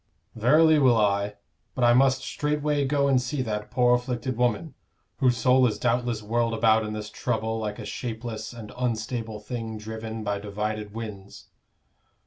"Verily will I. But I must straightway go and see that poor afflicted woman, whose soul is doubtless whirled about in this trouble like a shapeless and unstable thing driven by divided winds."